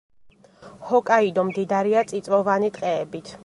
ჰოკაიდო მდიდარია წიწვოვანი ტყეებით.